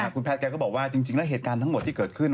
คุณแพทย์แกก็บอกว่าจริงแล้วเหตุการณ์ทั้งหมดที่เกิดขึ้น